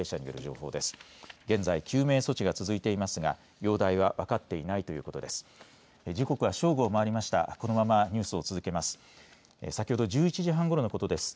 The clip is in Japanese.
現在、救命措置が続いていますが容体は分かっていないということです。